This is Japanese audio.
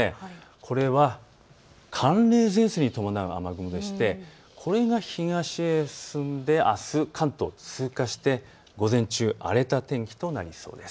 これが寒冷前線に伴う雨雲でして、これが東へ進んであす関東を通過して午前中、荒れた天気となりそうです。